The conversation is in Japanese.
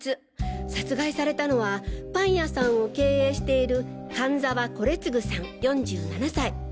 殺害されたのはパン屋さんを経営している菅沢惟次さん４７歳。